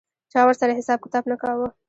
چا ورسره حساب کتاب نه کاوه.